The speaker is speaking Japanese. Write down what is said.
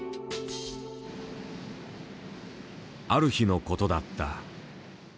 ある日のことだった。